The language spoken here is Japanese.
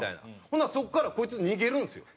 ほんならそこからこいつ逃げるんですよ。